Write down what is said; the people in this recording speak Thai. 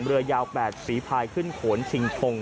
เฮ้ยเฮ้ยเฮ้ยเฮ้ย